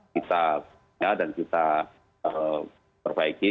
kita dan kita perbaiki